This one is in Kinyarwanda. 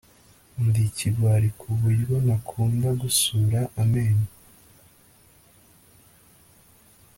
ndi ikigwari kuburyo ntakunda gusura amenyo